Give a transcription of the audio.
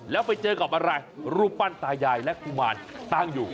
แล้วไปเจอกับอะไรรูปปั้นตายายและกุมารตั้งอยู่